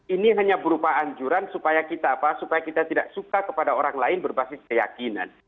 ini hanya berupa anjuran supaya kita tidak suka kepada orang lain berbasis keyakinan